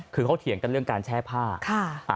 คือเขาเถียงกันเรื่องการแช่ผ้า